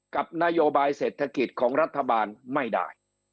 กับนโยบายเศรษฐกิจของรัฐบาลไม่ได้